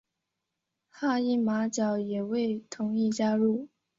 哈伊马角也未同意加入。